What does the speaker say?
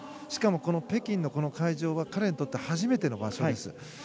しかも北京の会場は彼にとって初めての場所です。